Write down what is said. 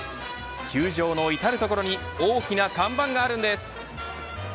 球場の至る所に大きな看板があるんです。